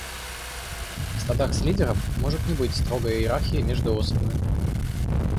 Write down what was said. В стадах с лидером может не быть строгой иерархии между особями.